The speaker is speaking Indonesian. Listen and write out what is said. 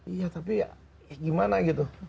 iya tapi ya gimana gitu